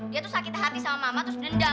dia tuh sakit hati sama mama terus dendam